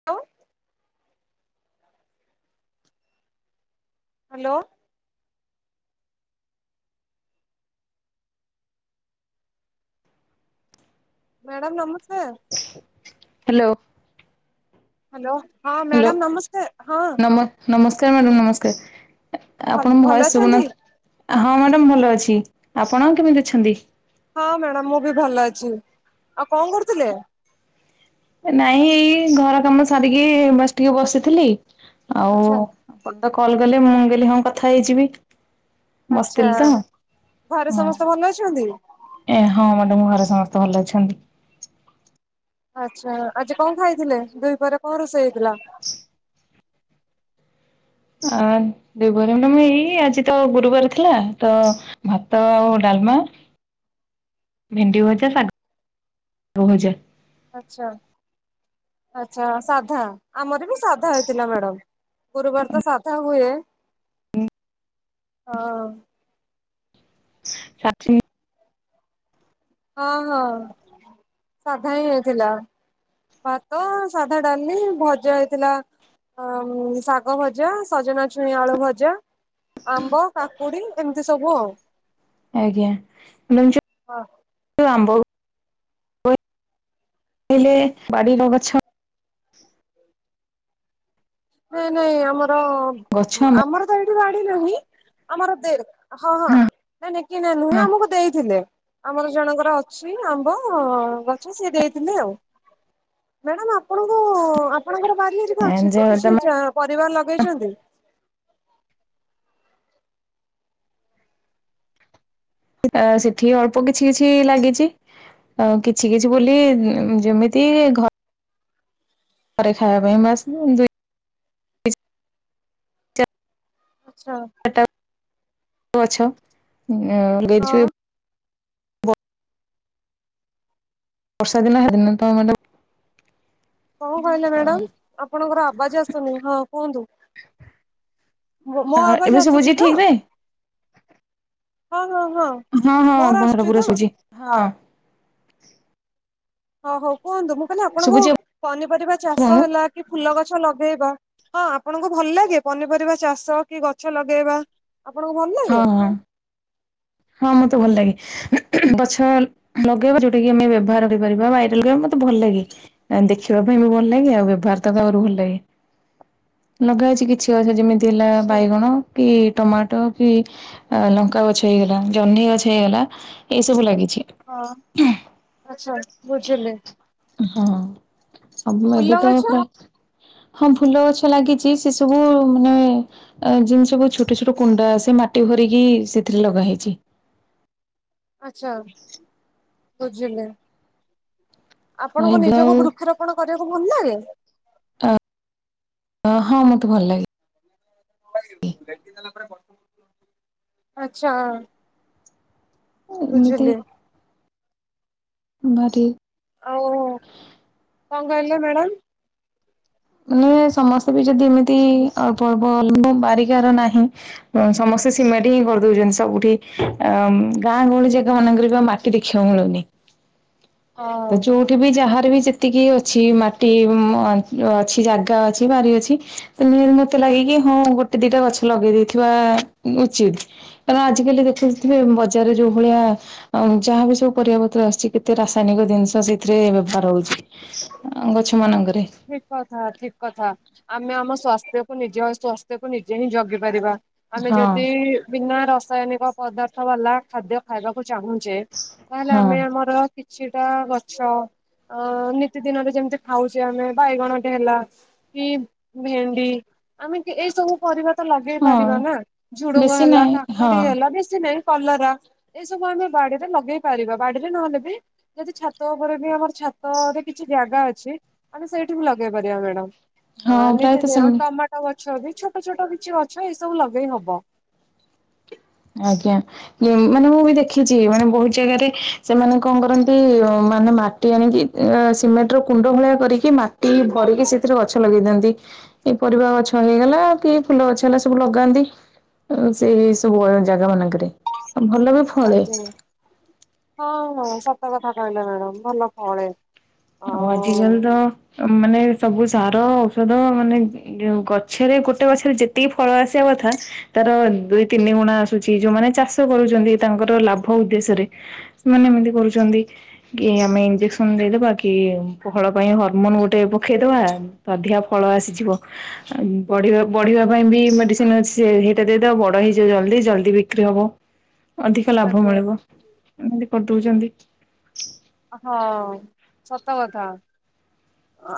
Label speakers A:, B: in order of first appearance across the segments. A: [unintelligible] Hello. Madam ନମସ୍କାର।
B: Hello.
A: Hello ହଁ
B: hello
A: madam ନମସ୍କାର ହଁ।
B: ନମ ନମସ୍କାର ମ୍ୟାଡ଼ାମ ନମସ୍କାର,
A: ଭଲ
B: ଆପଣଙ୍କ
A: ଭଲ
B: ଭଏସ
A: ଅଛନ୍ତି
B: ଶୁଭୁନ ହଁ ମ୍ୟାଡ଼ାମ ଭଲ ଅଛି, ଆପଣ କେମିତି ଅଛନ୍ତି?
A: ହଁ ମ୍ୟାଡ଼ାମ୍ ମୁଁବି ଭଲ ଅଛି, ଆଉ କଣ କରୁଥିଲେ?
B: ଏ ନାଇଁ ଏଇ ଘର କାମ ସାରିକି ବାସ୍ ଟିକେ ବସିଥିଲି, ଆଉ
A: ଆଛା
B: ଆପଣ ତ କଲ୍ କଲେ ମୁଁ କହିଲି ହଁ କଥା ହେଇଯିବି।
A: ଆଚ୍ଛା,
B: ବସିଥିଲି ତ ହଁ
A: ଘରେ ସମସ୍ତେ ଭଲ ଅଛନ୍ତି?
B: ଏ ହଁ ମାଡ଼ାମ୍ ଘରେ ସମସ୍ତେ ଭଲ ଅଛନ୍ତି।
A: ଆଚ୍ଛା ଆଜି କଣ ଖାଇଥିଲେ, ଦୁଇ ପହରେ କଣ ରୋଷେଇ ହେଇଥିଲା?
B: ଆ ଦୁଇ ପହରେ ମ୍ୟାଡାମ ଏଇ ଆଜି ତ ଗୁରୁବାର ଥିଲା ତ ଭାତ ଆଉ ଡାଲ୍ମା। ଭେଣ୍ଡି ଭଜା ଶାଗ ଭଜା।
A: ଆଚ୍ଛା, ଆଚ୍ଛା ସାଧା ଆମର ବି ସାଧା ହେଇଥିଲା ମ୍ୟାଡାମ୍। ଗୁରୁବାର ତ ସାଧା ହୁଏ। ହଁ।
B: [unintelligible]
A: ହଁ ହଁ ସାଧା ହିଁ ହେଇଥିଲା। ଭାତ, ସାଧା ଡାଲି, ଭଜା ହେଇଥିଲା। ହଁ ଶାଗ ଭଜା, ସଜନା ଛୁଇଁ ଆଳୁ ଭଜା। ଆମ୍ବ, କାକୁଡି ଏମିତି ସବୁ ଆଉ।
B: ଆଜ୍ଞା ମ୍ୟାମ୍ ଯୋଉ [unintelligible] ବାଡ଼ିର ଗଛ।
A: ସେ ନାଇଁ ଆମର,
B: ଗଛ ଆମ
A: ଆମର ତ ଏଇଠି ଗାଡି ନାହିଁ ଆମର ଦେର୍ ହଁ ହଁ, ନାଇଁ ନାଇଁ କିଣା ନୁହେଁ
B: ହଁ।
A: ଆମକୁ ଦେଇଥିଲେ। ଆମର ଜଣଙ୍କର ଅଛି ଆମ୍ବ ଗଛ ସିଏ ଦେଇଥିଲେ ଆଉ। ମ୍ୟାଡାମ୍ ଆପଣଙ୍କୁ ଆପଣଙ୍କର ବାଡ଼ି ହେରିକା ଅଛି
B: ଯେ
A: ତ, କିଛି
B: ତମେ
A: ଚାଁ ପରିବା ଲଗେଇଛନ୍ତି?
B: ଆଁ ସେଠି ଅଳ୍ପ କିଛି କିଛି ଲାଗିଛି। ଅ କିଛି କିଛି ବୋଲି ଯେମିତି ଘ ପରେ ଖାଇବା ପାଇଁ ଆମେ ଆସିଲୁ ଦୁଇ
A: ଗଛ।
B: ଚାରିଟା [unintelligible] ଗଛ ଅଁ
A: ହଁ
B: ଲେଗେଇଛୁ ବର୍ଷା ଦିନ, ହେଦିନ ତ ମାଡ଼ମ୍
A: କଣ କହିଲେ ମ୍ୟାଡାମ୍ ଆପଣଙ୍କର ଆବାଜେ ଆସୁନି ହଁ କୁହନ୍ତୁ ମୋ
B: ଆଉ
A: ଆବାଜେ
B: ଏବେ ଶୁଭୁଛି
A: ଆସୁଛି ତ
B: ଠିକ୍ ରେ?
A: ହଁ ହଁ ହଁ
B: ହଁ ହଁ
A: ମୋର
B: ପର
A: ତ?
B: ପରେ ଆସୁଛି ହଁ
A: ଓ ହଉ କୁହନ୍ତୁ ମୁଁ କହିଲି ଆପଣଙ୍କୁ
B: ଶୁଭୁଛି
A: ପନିପରିବା ଚାଷ
B: ଆପଣଙ୍କୁ?
A: ହେଲା କି ଫୁଲ ଗଛ ଲଗେଇବା ହଁ ଆପଣଙ୍କୁ ଭଲ ଲାଗେ ପନିପରିବା ଚାଷ କି ଗଛ ଲଗେଇବା ଆପଣଙ୍କୁ ଭଲ
B: ହଁ
A: ଲାଗେ
B: ହଁ ହଁ ମତେ ଭଲ ଲାଗେ ଗଛ ଲଗେଇବା ଯୋଉଟା କି ଆମେ ବ୍ୟବହାର କରିପାରିବା ବାଇଲ ଲଗେଇବା ମତେ ଭଲ ଲାଗେ ଦେଖିବା ପାଇଁ ବି ଭଲ ଲାଗେ ଆଉ ବ୍ୟବହାର ତ ଆହୁରୁ ଭଲ ଲାଗେ ଲଗାହେଇଛି କିଛି ଗଛ ଯେମିତି ହେଲା
A: ଆଚ୍ଛା
B: ବାଇଗଣ କି ଟମାଟୋ କି ଲଙ୍କା ଗଛ ହେଇଗଲା ଜହ୍ନି ଗଛ ହେଇଗଲା ଏସବୁ ଲାଗିଛି
A: ହଁ ଆଚ୍ଛା ବୁଝିଲି
B: ହଁ ସବୁ ଏବେ
A: ଫୁଲ
B: ତ
A: ଗଛ
B: ହଁ ଫୁଲ ଗଛ ଲାଗିଛି ସେ ସବୁ ମାନେ ଯେଉଁ ସବୁ ଛୋଟ ଛୋଟ କୁଣ୍ଡ ଆ ସେ ମାଟି ଭରିକି ସେଥିରେ ଲଗା ହେେଇଛି
A: ଆଛା ବୁଝିଲେ ଆପଣଙ୍କୁ
B: ଏବେ ଆଉ
A: ନିଜକୁ ବୃକ୍ଷରୋପଣ କରିବାକୁ ଭଲ ନାଗେ
B: ଅ ହଁ ମତେ ଭଲ ଲାଗେ
A: ଆଛା
B: ଏମିତି
A: ବୁଝୁିଲି
B: ମାରି
A: ଓଉ କଣ କହିଲେ ମ୍ୟାଡ଼ାମ୍
B: ମାନେ ସମସ୍ତେ ବି ଯଦି ଏମିତି ଅଳ୍ପ ଅଳ୍ପ ବାରିକାର ନାହିଁ ସମସ୍ତେ ସିମେଟେ ହିଁ କରିଦଉଛନ୍ତି ସବୁଠି ଅ ଗାଁ ଗହଳି ଜାଗା ମାନକେ ମାଟି ମାଟି ଦେଖିବାକୁ ମିଳୁନି ହ
A: ହଁ
B: ଚୋର୍ ଏଠି ବି ଯାହାର ବି ଯେତିକି ଅଛି ମାଟି ଅଛି ଜାଗା ଅଛି ବାରି ଅଛି ମତେ ଲାଗ କି ହଁ ଗୋଟେ ଦିଟା ଗଛ ଲଗେଇ ଦେଗେଇଦେଇଥିବା ଉଚିତ୍ କାରଣ ଆଜିକାଲି ଦେଖୁଥିବେ ବଜାରରେ ଯୋଉ ଭଳିଆ ଯାହା ବିି ସବୁ ପରିବାପତ୍ର ଆସୁଛି କେତେ ରା ଦୈନିକ ଜିନିଷ ସେଥିରେ ବେପାର ହେଉଛି ଗଛ ମାନଙ୍କରେ
A: ଠିକ୍ କଥା ଠିକ୍ କଥା ଆମେ ଆମ ସ୍ୟାସ୍ଥ୍ୟକୁ ନିଜେ ହସ୍ଥ୍ୟକୁ ନିଜେ ହିଁ ଜଗି ପାରିବା ଆମେ
B: ହଁ
A: ଯଦି ବିନା ରାସାୟନିକ ପଦାର୍ଥ ବାଲା ଖାଦ୍ୟ ଖାଇବାକୁ ଚାହୁଁଛେ ତାହେଲେ
B: ହଁ
A: ଆମେ ଆମର ଛିଟା ଗଛ ଅ ନିତିଦିନରେ ଯେମିତି ଖାଉଛି ଆମେ ବାଇଗଣ ଟେ ହେଲା କି ଭେଣ୍ଡି ଆମେ ଏଇ ସବୁ ପରିବା ତ ଲଗେଇ
B: ହଁ
A: ପାରିବା ନା ଝୁଡୁଙ୍ଗ
B: ବେଶୀ
A: ହେଲା
B: ନାହିଁ ହଁ
A: କାକୁଡି ହେଲା ବେଶୀ ନାହିଁ କଲରା ଏଇ ସବୁ ଆମେ ବାଡ଼ିରେ ଲଗେଇ ପାରିବା ବାଡ଼ିରେ ନହେଲେ ବି ଯଦି ଛାତ ଉପରେ ବି ଆମର ଛାତ ରେ କିଛି ଜାଗା ଅଛି ତାହେଲେ ସେଇଠି ବି ଲଗେଇ ପାରିବା ମ୍ୟାଡମ୍
B: ହଁ ପ୍ରାୟତଃ ସେମିତି।
A: ଗଛ ବି ଛୋଟ ଛୋଟ କିଛି ଗଛ ଏସବୁ ଲଗେଇ ହବ
B: ଆଜ୍ଞା ମାନେ ମୁଁ ବି ଦେଖିଛି ମାନେ ବହୁତ ଜାଗାରେ ସେମାନେ କଣ କରନ୍ତି ମାନେ ମାଟି ମାଟି ଆଣିକି ସିମେଣ୍ଟ ର କୁଣ୍ଡ ଭଳିଆ କରିକି ମାଟି ଭରିକି ସେଥିରେ ଗଛ ଲଗେଇ ଦିଅନ୍ତି ଏଇ ପରିବା ଗଛ ହେଇଗଲା କି ଫୁଲ ଗଛ ହେଲା ସବୁ ଲଗାନ୍ତି ସେଇ ଉଆଳ ଜାଗା ମାନଙ୍କରେ ଭଲ ବି ଫଳେ।
A: ଆଜ୍ଞା ହଁ ହଁ ସତ କଥା କହିଲେ ମ୍ୟାଡାମ ଭଲ ଫଳେ।
B: ଆଉ ଆଜିିକାଲ ତ ତମେ ମାନେ ସବୁ ସାର ଔଷଧ ମାନେ ଗଛରେ ଗୋଟେ ଗଛରେ ଯେ ଯେତିକି ଫଳ ଆସିବା କଥା ତାର ଦୁଇ ତିନି ଗୁଣା ଆସୁଛି ଯୋଉମାନେ ଚାଷ କରୁଛନ୍ତି ତାଙ୍କର ଲାଭ ଉଦ୍ଦେଶ୍ୟରେ ସେମାନେ ଏମିତି କରୁଛନ୍ତି କି ଆମେ ଇଞ୍ଜେକ୍ସନ ଦେଇଦବା। କି ଫଳ ପାଇଁ ହରମୋନ ଗୋଟେ ପକେଇଦବା ଅଧିକା ଫଳ ଆସିଯିବ। ବଢିବା ବଢିବା ପାଇଁ ବି ମେଡିସିନ ଅଛି ସେ ହେଇଟା ଦେଇଦବା ବଡ ହେଇଯିବ ଜଲଦି ଜଲ୍ଦି ବିକ୍ରି ହବ। ଅଧିକ ଲାଭ
A: ଆଜ୍ଞା
B: ମିଳିବ ଏମିତି କରିଦଉଚନ୍ତି।
A: ହ ହଁ ସତ କଥା।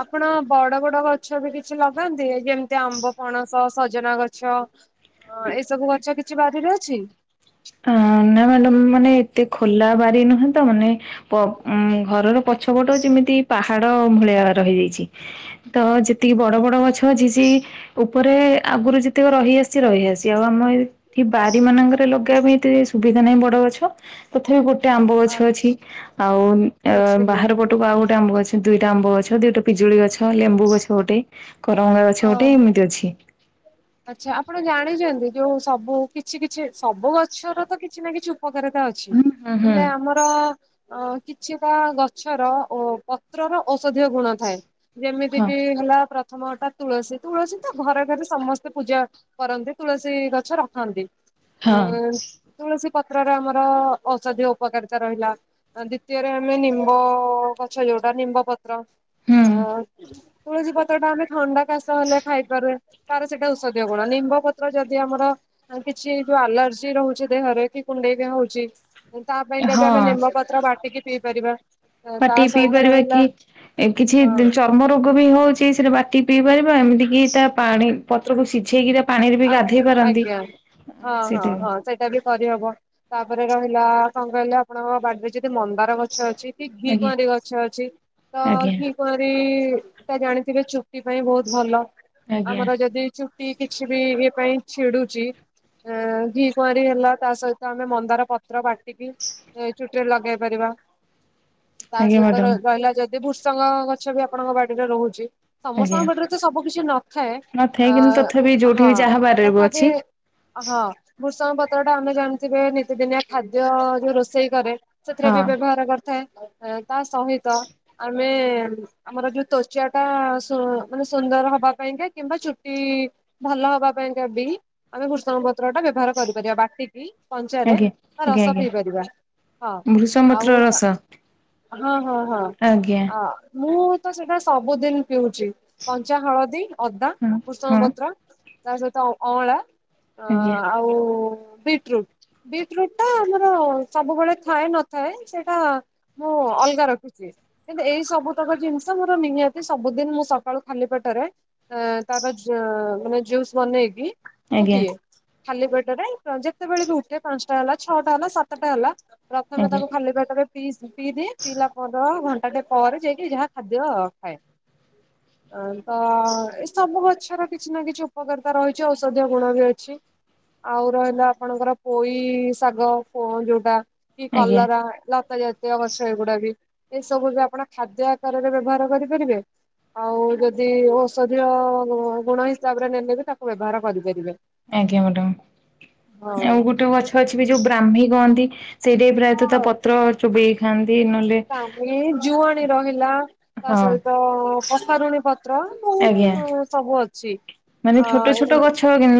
A: ଆପଣ ବଡ ବଡ ଗଛ ବି କିଛି ଲଗାନ୍ତି ଏ ଯେମିତି ଆମ୍ବ ପଣସ ସଜନା ଗଛ ଏ ସବୁ ଗଛ କିଛି ବାରିରେ ଅଛି।
B: ଅ ନା ମ୍ୟାଡାମ ମାନେ ଏତେ ଖୋଲା ବାରି ନୁହେଁ ତ ମାନେ ଉ ଘରର ପଛପଟ ଯେମିତି ପାହାଡ ଭଳିଆ ରହିଯାଇଛି। ତ ଯେତିକି ବଡ ବଡ ଗଛ ଅଛି ସେ ଉପରେ ଆଗରୁ ଯେତେକ ରହିଆସି ରହିଆସି ଆଉ ଆମ ଏଠ ବାରି ମାନଙ୍କ [unintelligible] ପାଇଁ ଏତେ ସୁବିଧା ନାହିଁ ବଡ ଗଛ। ତଥାପି ଗୋଟେ ଆମ୍ବ ଗଛ ଅଛି
A: ଆଛା
B: ଆଉ ଅ
A: ବୁଝିଲି
B: ବାହାର ପଟେ କୁ ଆଉ ଗୋଟେ ଆମ୍ବ ଗଛ ଦୁଟାଆମ୍ବ ଗଛ ଦିଇଟା ପିଜୁଳି ଗଛ ଲେମ୍ବୁ ଗଛ ଗୋଟେ କରରମଙ୍ଗା ଗଛ
A: ହଁ।
B: ଗୋଟେ ଏମିତି ଅଛି।
A: ଆଚ୍ଛା ଆପଣ ଜାଣିଛନ୍ତି ଯୋଉ ସବୁ କିଛି କିଛି ସବୁ ଗଛର ତ କିଛି ନା କିଛି ଉପକାରିତା ଅଛି
B: ହୁଁ ହୁଁ ହୁଁ
A: ହେଲେ ଆମର ଅ କିଛିଟା ଗଛର ଓ ପତ୍ରର ଔଷଧୀୟ ଗୁଣ ଥାଏ
B: ହଁ
A: ଯେମିତିକି ହେଲା ପ୍ରଥମ ଗଟା ତୁଳସୀ ତୁଳସୀ ତ ଘରେ ଘରେ ସମସ୍ତେ ପୂଜା କରନ୍ତି ତୁଳସୀ ଗଛ ରଖନ୍ତି। ଏ
B: ହଁ
A: ତୁଳସୀ ପତ୍ରରେ ଆମର ଔଷଧୀୟ ଉପକାରିତା ରହିଲା। ଦ୍ଵିତୀୟରେ ଆମେ ନିମ୍ବ ଗଛ ଯୋଉଟା ନିମ୍ବ ପତ୍ର ଓ
B: ହୁଁ
A: ତୁଳସୀ ପତ୍ର ଟା ଆମେ ଥଣ୍ଡା କାଶ ହେଲେ ଖାଇପାରେ ତାର ସେଇଟା ଔଷଧୀୟ ଗୁଣ ନିମ୍ବ ପତ୍ର ଯଦି ଆମର ଆ କିଛି ଯୋଉ ଆଲର୍ଜି ରହୁଛି ଦେହରେ କି କୁଣ୍ଡେଇ ବି ହଉଛି ତା ପାଇଁ ଯଦି ଆମେ
B: ହଁ।
A: ନିମ୍ବପତ୍ର ବାଟିକି ପିଇ ପାରିବା। ତା
B: ବାଟିକି ପିଇ
A: ସହିତ
B: ପାରିବା
A: ରହିଲା
B: କି କିଛି
A: ହଁ
B: ଜିନିଷ ଆମ୍ ରୋଗ ବି ହଉଛି ସେଟ ବାଟି ପିଇ ପାରିବା ଏମିତି କିି ତା ପାଣି ପତ୍ରକୁ ସିଝେଇକିରା
A: ଆଜ୍ଞା ଆଜ୍ଞା ହଁ ହଁ
B: ସେଇଟା ବି
A: ହଁ ସେଟା ବି କରିହବ ତାପରେ ରହିଲା କଣ କହିଲେ ଆପଣଙ୍କ ବାରିରେ ଯୋଉ ସେ ମନ୍ଦାର ଗଛ ଅଛି କି ଘି
B: ଆଜ୍ଞା
A: କୁଆଁରୀ ଗଛ ଅଛି ତ
B: ଆଜ୍ଞା
A: ଘି ଘିଇଂ କାରିଜାଣିଥିବେ ଚୁଟି ପାଇଁ ବହୁତ ଭଲ
B: ଆଜ୍ଞା
A: ଆମର ଯଦି ଚୁଟି କିଛି ବି ଇଏ ପାଇଁ ଛିଡୁଛି ଆ ଘି କୁଆଁରୀ ହେଲା ତା ସହିତ ଆମେ ମନ୍ଦାର ପତ୍ର ବାଟି ଚୁଟିରେ ଲଗେଇ ପାରିବା ତା
B: ଆଜ୍ଞା
A: ସହିତ
B: ମ୍ୟାଡାମ
A: ରହିଲା ଯଦି ଭୃସଙ୍ଗ ଗଛ ବି ଆପଣଙ୍କ ବାଡିରେ ରହୁଛି ସମସ୍ତଙ୍କ
B: ଆଜ୍ଞା
A: ବଡିରେ ତ ସବୁ କିଛି ନଥାଏ
B: ନଥାଏ
A: ଆ
B: କିନ୍ତୁ ତଥାପି ଯୋଉଠି ବି ଯାହାବାରିରେ ବି ଅଛି
A: ହଁ ଭୃସଙ୍ଗ ପତ୍ର ଟା ଆମେ ଜାଣିଥିବେ ନିତିଦିନିଆ ଖାଦ୍ୟ ଯୋଉ ରୋଷେଇ କରେ ସେଥିରେ
B: ହଁ
A: ବି ବ୍ୟବହାର କରିଥାଏ ତା ସହିତ ଆମେ ଆମର ଯୋଉ ତ୍ୱଚାଟା ମାନେ ସୁନ୍ଦର ହବା ପାଇଁକା କିମ୍ବା ଚୁଟି ଭଲ ହବା ପାଇଁ କା ବି ଆମେ ଭୃସଙ୍ଗ ପତ୍ର ଟା ବ୍ୟବହାର କରିପାରିବା ବାଟିକି କଞ୍ଚାରେ ତା ରସ ପିଇ ପାରିବା।
B: ଭୃସଙ୍ଗ
A: ଆଉ
B: ପତ୍ରରସ।
A: ହଁ ହଁ ହଁ।
B: ଆଜ୍ଞା।
A: ଅ ମୁଁ ତ ସେଟା ସବୁଦିନ ପିଉଛି। କଞ୍ଚା ହଳଦୀ, ଅଦା,
B: ହଁ
A: ଭୃସଙ୍ଗ
B: ହଁ
A: ପତ୍ର ତା ସହିତ ଅଁଳା। ଅ
B: ଆଜ୍ଞା
A: ଆଉ ବିଟ ରୁଟ୍। ବିଟ ରୁଟ ଟା ଆମର ସବୁବେଳେ ଥାଏ ନଥାଏ ସେଇଟା ମୁଁ ଅଲଗା ରଖୁଛି। କିନ୍ତୁ ଏଇ ସବୁ ତକ ଜିନିଷ ମୋର ନିହାତି ସବୁଦିନ ମୁଁ ସକାଳୁ ଖାଲି ପେଟରେ ଆ ତାର ଯ ମାନେ ଜୁସ୍ ବନେଇକି ମୁଁ
B: ଆଜ୍ଞା
A: ପିଏ। ଖାଲି ପେଟରେ ଯେତେବେଳେ ବି ଉଠେ ପାଞ୍ଚଟା ହେଲା ଛଅଟା ହେଲା ସାତଟା ହେଲା। ପ୍ରଥମେ
B: ଆଜ୍ଞା
A: ତାକୁ ଖାଲି କରିଦେବେ ପିଇସ ପିଇଦିଏ ପିଇଲା ଘଣ୍ଟା ଟେ ପରେ ଯାଇକି ଯାହା ଖାଦ୍ୟ ଖାଏ। ହଁ ତ ଏ ସବୁ ଗଛର କିଛି ନା କିଛି ଉପକାରିତା ରହିଛି ଔଷଧୀୟ ଗୁଣ ବି ଅଛି। ଆଉ ରହିଲା ଆପଣଙ୍କର ପୋଇ ଶାଗ ଯୋଉଟା। କି
B: ଆଜ୍ଞା
A: କଲରା ଲତା ଯା ତୀୟ ଗଛ ଏଗୁଡା ବି ଏ ସବୁ ବି ଆପଣ ଖାଦ୍ୟ ଆକାରରେ ବ୍ୟବହାର କରିପାରିବେ। ଆଉ ଯଦି ଔଷଧୀୟ ଗୁଣ ହିସାବରେ ନେଲେ ବି ତାକୁ ବ୍ୟବହାର କରିପାରିବେ।
B: ଆଜ୍ଞା ମ୍ୟାଡାମ
A: ହଁ।
B: ଆଉ ଗୋଟେ ଗଛ ଅଛି ବି ଯୋଉ ବ୍ରାହ୍ମୀ କହନ୍ତି ସେଇଟା ବି ପ୍ରାୟ ତା ପତ୍ର ଚୋବେଇ ଖାଆନ୍ତି ନହେଲେ
A: ତାପରେ ଜୁଆଣ ରହିଲା। ତା
B: ହଁ
A: ସହିତ କଷାରୁଣୀ ପତ୍ର
B: ଆଜ୍ଞା।
A: ବହୁତ ସବୁ ଅଛି।
B: ମାନେ ଛୋଟ ଛୋଟ
A: ଅ
B: ଗଛ କି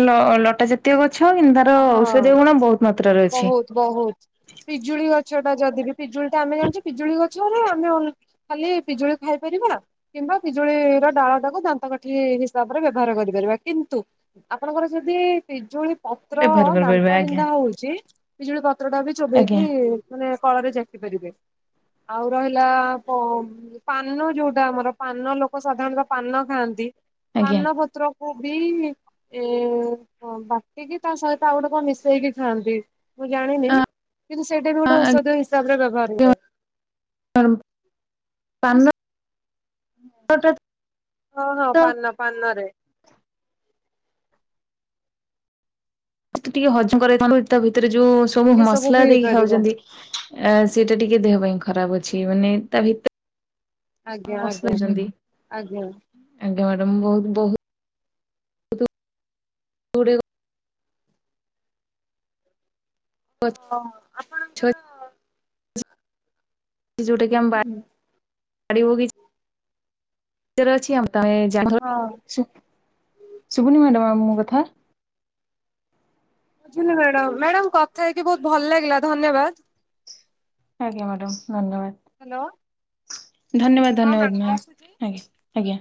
B: ଲଟା ଜାତୀୟ ଗଛ କିନ୍ତୁ ତାର
A: ହଁ।
B: ଔଷଧୀୟ ଗୁଣ ବହୁତ। ମାତ୍ରାରେ ଅଛି।
A: ବହୁତ ବହୁତ ପିଜୁଳି ଗଛ ଟା ଯଦି ବି ପିଜୁଳି ଟା ଆମେ ଜାଣିଛୁ ପିଜୁଳି ଗଛ ଆମେ ଖାଲି ପିଜୁଳି ଖାଇପାରିବା। କିମ୍ବା ପିଜୁଳିର ଡାଳ ଟାକୁ ଦାନ୍ତ କଠି ହିସାବରେ ବ୍ୟବହାର କରିପାରିବା କିନ୍ତୁ ଆପଣଙ୍କର ଯଦି ପିଜୁଳି ପତ୍ର
B: ବ୍ୟବହାର କରିପାରିବା
A: ଦାନ୍ତ
B: ଆଜ୍ଞା
A: ବିନ୍ଧା ହଉ ବିିଜୁଳି ପତ୍ର ଟା ବି
B: ଆଜ୍ଞା
A: ଚୋବେଇକି ମାନେ କଳରେ ଜାକି ପାରିବେ। ଆଉ ରହିଲା ପାନ ଯୋଉଟା ଆମର ପାନ ଲୋକ ସାଧାରଣତଃ ପାନ ଖାଆନ୍ତି
B: ଆଜ୍ଞା
A: ପାନ ପତ୍ର କ ବି ଏ ବାଟିକି ତା ସହିତ ଆଉ ଗୋଟେ କଣ ମିଶେଇକି ଖାଆନ୍ତି। ମୁଁ ଜାଣିନି କିନ୍ତୁ ସେଇଟା ବି ଗୋଟେ
B: ଆଜ୍ଞା
A: ଔଷଧ ହିସାବ ରେ ବ୍ୟବହାର ହୁଏ।
B: [inaudible]
A: ହଁ ହଁ
B: ତ
A: ପାନ ପାନ ରେ।
B: ଟିକେ ହଜମ କର ତା ଭିତରେ ଯୋଉ ସବୁ
A: ଏସବୁ ବି
B: ମସଲା ଦେଇକି
A: ହେଇପାରିବ
B: ଖାଉଛନ୍ତି। ଅ ସେଇଟା ଟିକେ ଦେହ ପାଇଁ ଖରାପ ଅଛି ମାନେ ତା ଭିତ
A: ଆଜ୍ଞା ଆଜ୍ଞା
B: ସମସ୍ତେ ଅଛନ୍ତି ଆଜ୍ଞା ମ୍ୟାଡାମ ବହୁତ ବହୁ [inaudible] ଗଛ
A: ହଁ। ଆପଣଙ୍କର
B: [inaudible] ଯଉଟା କି ଆମ ବା ବାଡି ବଗିଚା ରେ ଅଛି ଆମ ତମେ
A: ହଁ
B: ଶୁ ଶୁଭୁନି ମ୍ୟାଡ଼ାମ ମୋ କଥା।
A: ବୁଝଲି ମ୍ୟାଡମ ମ୍ୟାଡାମ କଥା ହେଇକି ବହୁତ ଭଲ ଲାଗିଲା ଧନ୍ୟବାଦ।
B: ଆଜ୍ଞା ମ୍ୟାଡ଼ାମ ଧନ୍ୟବାଦ।
A: ହ୍ୟାଲୋ
B: ଧନ୍ୟବାଦ
A: ହଁ
B: ଧନ୍ୟବାଦ
A: ମ୍ୟାଡାମ ରଖୁଛି।
B: ମ୍ୟାମ୍ ଆଜ୍ଞା ଆଜ୍ଞା।